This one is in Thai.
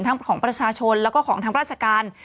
ของประชาชนแล้วก็ของทางราชการ